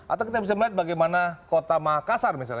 atau kita bisa melihat bagaimana kota makassar misalnya